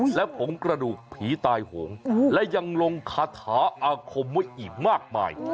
และผงกระดูกผีตายโหงและยังลงคาถาอาคมไว้อีกมากมาย